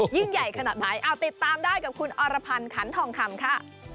ยิ่งใหญ่ขนาดไหนเอาติดตามได้กับคุณอรพันธ์ขันทองคำค่ะ